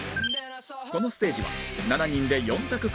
このステージは７人で４択